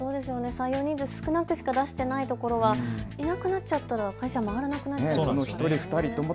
採用人数少なくしか出していないところはいなくなっちゃったら会社回らなくなっちゃいますからね。